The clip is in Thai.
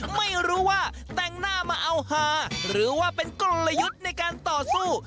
ไม่รู้ว่าแต่งหน้ามาเอาหาหรือว่าเป็นกลยุทธ์ในการต่อสู้